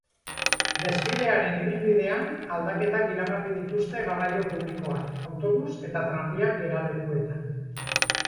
Desfilearen ibilbidean, aldaketak iragarri dituzte garraio publikoan, autobus eta tranbia geralekuetan.